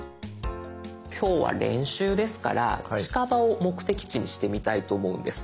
今日は練習ですから近場を目的地にしてみたいと思うんです。